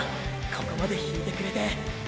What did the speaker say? ここまで引いてくれて。